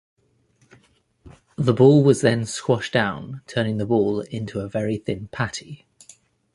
The ball was then squashed down, turning the ball into a very thin patty.